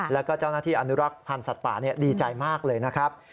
แล้วก็เจ้าหน้าที่อนุรักษ์พันธ์สัตว์ป่าดีใจมากเลยนะครับ